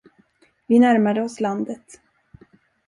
Vi närmade oss landet.